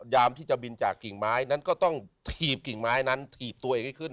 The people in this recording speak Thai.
ยามที่จะบินจากกิ่งไม้นั้นก็ต้องถีบกิ่งไม้นั้นถีบตัวเองให้ขึ้น